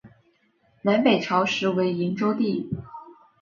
南北朝时为营州地。